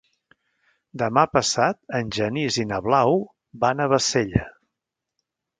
Demà passat en Genís i na Blau van a Bassella.